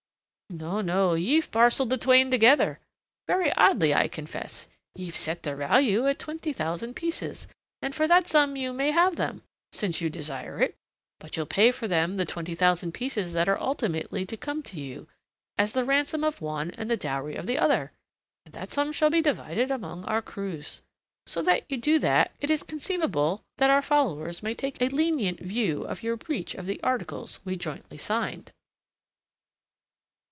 "No, no. Ye've parcelled the twain together very oddly, I confess. Ye've set their value at twenty thousand pieces, and for that sum you may have them, since you desire it; but you'll pay for them the twenty thousand pieces that are ultimately to come to you as the ransom of one and the dowry of the other; and that sum shall be divided among our crews. So that you do that, it is conceivable that our followers may take a lenient view of your breach of the articles we jointly signed."